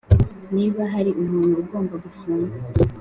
Niba hari umuntu ugomba gufungwa